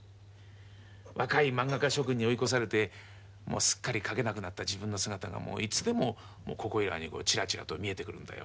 若いまんが家諸君に追い越されてもうすっかり描けなくなった自分の姿がもういつでもここいらにチラチラと見えてくるんだよ。